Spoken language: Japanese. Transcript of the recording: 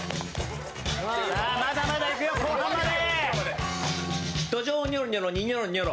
まだまだいくよ、後半まで。